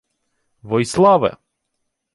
— Войславе!